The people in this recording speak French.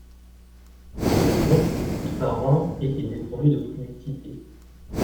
Le compte coûte par an et est dépourvu de publicité.